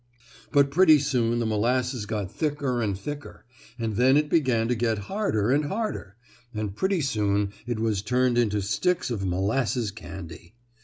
But pretty soon the molasses got thicker and thicker, and then it began to get harder and harder, and pretty soon it was turned into sticks of molasses candy.